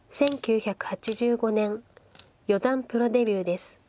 １９８５年四段プロデビューです。